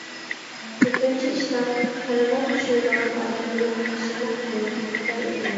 كۆپىنچە ئىشلار پەرمان چۈشۈرىدىغان ئادەم يوق تاشلىنىپ قېلىۋاتماقتا ئىدى.